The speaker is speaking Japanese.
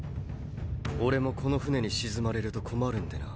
俺もこの船に沈まれると困るんでな。